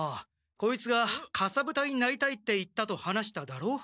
こいつが「かさぶたになりたい」って言ったと話しただろう？